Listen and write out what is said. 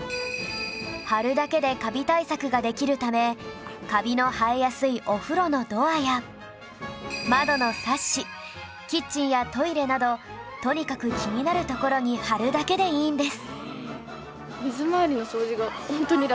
貼るだけでカビ対策ができるためカビの生えやすいお風呂のドアや窓のサッシキッチンやトイレなどとにかく気になる所に貼るだけでいいんです